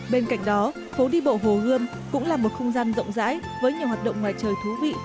bên cạnh đó phố đi bộ hồ gươm cũng là một không gian rộng rãi với nhiều hoạt động ngoài trời thú vị